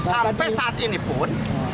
sampai saat ini pun